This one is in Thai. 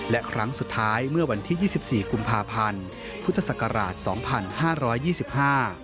และครั้งสุดท้ายเมื่อวันที่๒๔กุมภาพันธ์พุทธศักราช๒๕๒๕